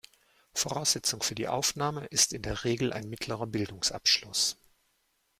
Voraussetzung für die Aufnahme ist in der Regel ein Mittlerer Bildungsabschluss.